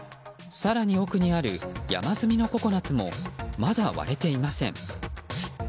更に、奥にある山積みのココナツもまだ割れていません。